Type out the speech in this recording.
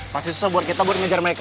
pasti susah buat kita buat ngejar mereka